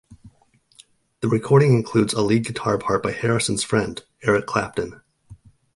The recording includes a lead guitar part by Harrison's friend Eric Clapton.